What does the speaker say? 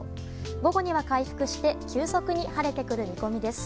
午後には回復して急速に晴れてくる見込みです。